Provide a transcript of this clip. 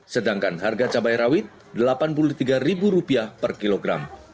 sedangkan harga cabai rawit rp delapan puluh tiga per kilogram